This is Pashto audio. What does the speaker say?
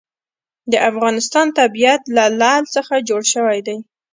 د افغانستان طبیعت له لعل څخه جوړ شوی دی.